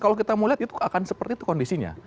kalau kita mau lihat itu akan seperti itu kondisinya